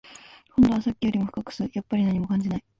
今度はさっきよりも深く吸う、やっぱり何も感じない